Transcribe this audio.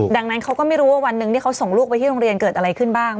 ดังนั้นเขาก็ไม่รู้ว่าวันหนึ่งที่เขาส่งลูกไปที่โรงเรียนเกิดอะไรขึ้นบ้าง